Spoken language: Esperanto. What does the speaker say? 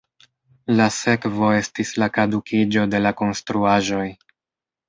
La sekvo estis la kadukiĝo de la konstruaĵoj.